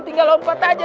tinggal lompat aja